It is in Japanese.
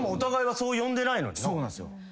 そうなんすよ。